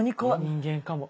人間かも。